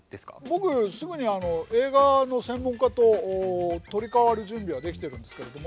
僕すぐに映画の専門家と取り代わる準備はできてるんですけれども。